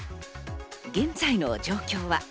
現在の状況は？